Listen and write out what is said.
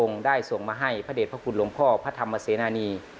พระองค์ได้ส่งมาให้พระเดริภะคุณหลงพ่อพระธรรมเสนาณี